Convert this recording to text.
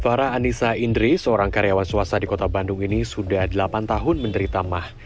fahra anissa indri seorang karyawan swasta di kota bandung ini sudah delapan tahun menderita mah